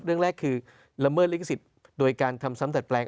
เรื่องแรกคือยน้ำร่ำเล็กกฏศิลป์โดยการทำซ้ำแตดแปลง